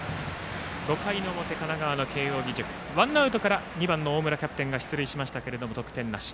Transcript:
５回の表、神奈川の慶応義塾ワンアウトから２番の大村キャプテンが出塁しましたが得点なし。